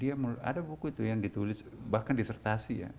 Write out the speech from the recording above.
ada buku itu yang ditulis bahkan disertasi ya